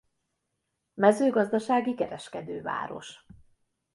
Mezőgazdasági kereskedőváros.